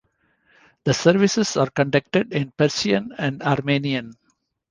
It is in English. The services are conducted in Persian and Armenian.